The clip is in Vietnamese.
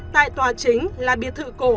tại tòa chính là biệt thự cổ